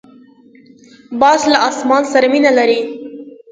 باز له اسمان سره مینه لري